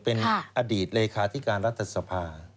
เป็นอดีตเลยค่ะที่การรัฐสภา